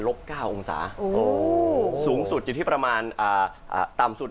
๙องศาสูงสุดอยู่ที่ประมาณต่ำสุด